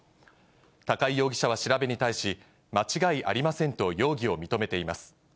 高井容疑者は調べに対し、間違いありませんと容疑を認めています。